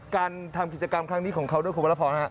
การทำกิจกรรมครั้งนี้ของเขาด้วยคุณพระพรภ์นะครับ